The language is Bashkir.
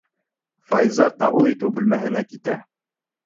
Файза ҡабул итеү бүлмәһенә китә.